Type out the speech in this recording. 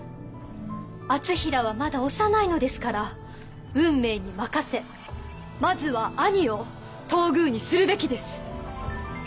敦成はまだ幼いのですから運命に任せまずは兄を東宮にするべきです。